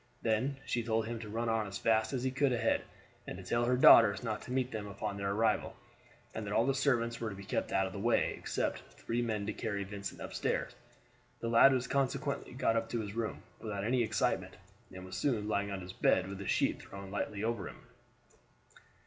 Then she told him to run on as fast as he could ahead, and to tell her daughters not to meet them upon their arrival, and that all the servants were to be kept out of the way, except three men to carry Vincent upstairs. The lad was consequently got up to his room without any excitement, and was soon lying on his bed with a sheet thrown lightly over him.